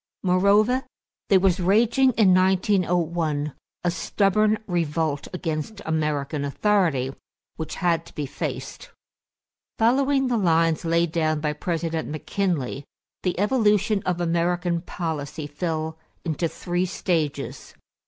Moreover, there was raging in 1901 a stubborn revolt against American authority, which had to be faced. Following the lines laid down by President McKinley, the evolution of American policy fell into three stages.